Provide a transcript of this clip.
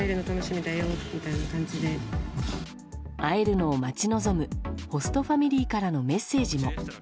会えるのを待ち望むホストファミリーからのメッセージも。